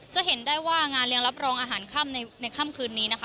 จะเห็นได้ว่างานเลี้ยงรับรองอาหารค่ำในค่ำคืนนี้นะคะ